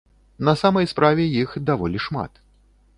На самай справе іх даволі шмат.